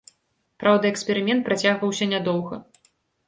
Праўда, эксперымент працягваўся нядоўга.